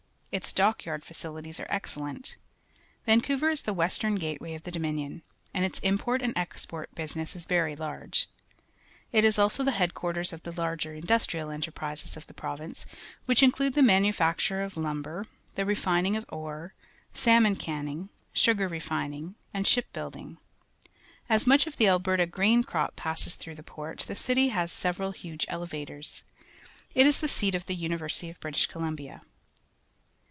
Its dockyard facihties are excellent. Van couver is the western gateway of the Do minion, and its import and export business is very large. It is also the headquarters of the larger industiial enterprises of the pro^• ince, which include the manufacture of lum ber, the refining of ore, salmon canning, sugar refining, and ship building. As much of the Alberta grain crop passes through the port, the city has several huge elevators. It is the seat of the University of British Columbia.